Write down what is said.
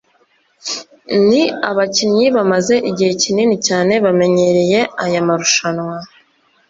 ni abakinnyi bamaze igihe kinini cyane bamenyereye aya marushanwa